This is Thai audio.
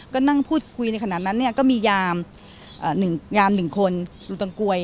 ก็นั่งพูดคุยในขณะนั้นเนี่ยก็มียาม๑ยาม๑คนลุงตังกวย